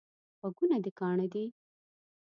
غوږونه دي کاڼه دي؟